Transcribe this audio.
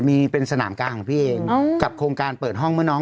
มีม่านรูทเฮียนที่กาญจนบุรี